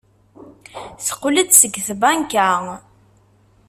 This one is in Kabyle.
Teqqel-d seg tbanka.